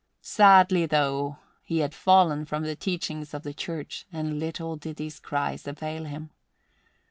Sadly, though, had he fallen from the teachings of the Church, and little did his cries avail him!